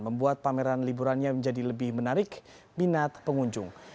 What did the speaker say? membuat pameran liburannya menjadi lebih menarik minat pengunjung